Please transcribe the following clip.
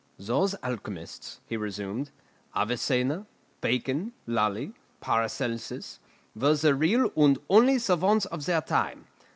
"Those alchemists," he resumed, "Avicenna, Bacon, Lully, Paracelsus, were the real and only savants of their time.